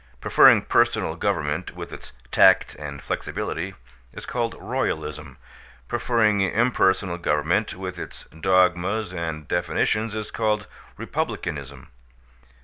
Preferring personal government, with its tact and flexibility, is called Royalism. Preferring impersonal government, with its dogmas and definitions, is called Republicanism.